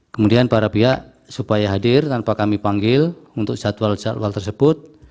kemudian para pihak supaya hadir tanpa kami panggil untuk jadwal jadwal tersebut